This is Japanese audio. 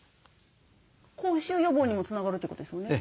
口臭予防にもつながるってことですもんね？